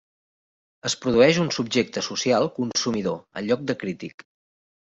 Es produeix un subjecte social consumidor en lloc de crític.